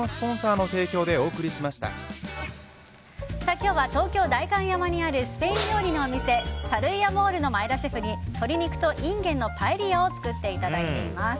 今日は東京・代官山にあるスペイン料理のお店サル・イ・アモールの前田シェフに鶏肉とインゲンのパエリアを作っていただいています。